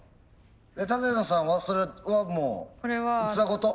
舘野さんはそれはもう器ごと？